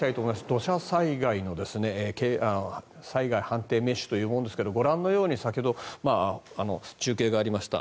土砂災害の災害判定メッシュというものですがご覧のように先ほど中継がありました